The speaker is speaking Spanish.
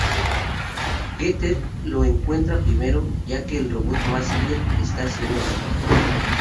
Getter lo encuentra primero ya que el robot Mazinger está siendo reparado.